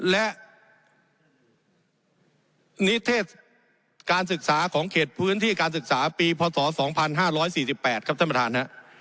และนิเทศการศึกษาของเขตพื้นที่การศึกษาปีพศ๒๕๔๘ครับท่านประธานฮะ